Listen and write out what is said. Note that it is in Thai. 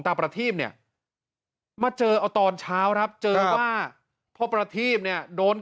ประทีพเนี่ยมาเจอเอาตอนเช้าครับเจอว่าพ่อประทีพเนี่ยโดน